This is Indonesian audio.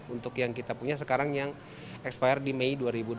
untuk yang kita punya sekarang yang expired di mei dua ribu dua puluh